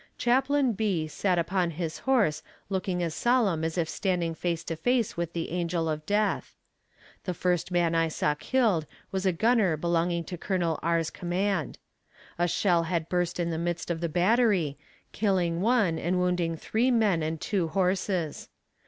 Chaplain B. sat upon his horse looking as solemn as if standing face to face with the angel of death. The first man I saw killed was a gunner belonging to Col. R.'s command. A shell had burst in the midst of the battery, killing one and wounding three men and two horses.